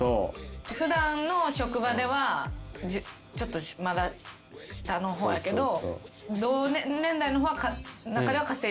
普段の職場ではちょっとまだ下の方やけど同年代の中では稼いでるみたいな。